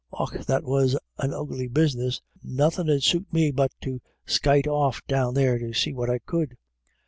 Och, that was an ugly business ; nothin' 'ud suit me but to skyte off down there to see what I could.